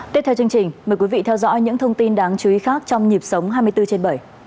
tiếp theo chương trình mời quý vị theo dõi những thông tin đáng chú ý khác trong nhịp sống hai mươi bốn trên bảy